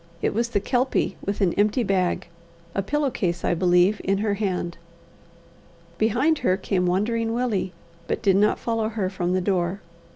It was the Kelpie, with an empty bag a pillow case, I believe in her hand. Behind her came Wandering Willie, but did not follow her from the door.